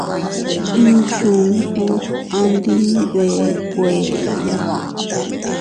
Inchuun kuu andi nbee kueʼeya.